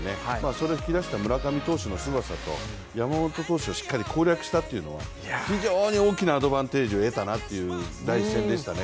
それを引き出した村上投手のすごさと山本投手をしっかり攻略したというのは非常に大きなアドバンテージを得たなという第１戦でしたね。